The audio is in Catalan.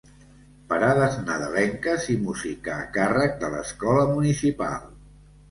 Parades nadalenques i música a càrrec de l'Escola Municipal.